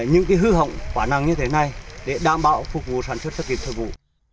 hư hỏng quả năng như thế này để đảm bảo phục vụ sản xuất thực hiện thời vụ